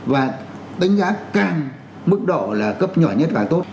và đánh giá càng mức độ là cấp nhỏ nhất càng tốt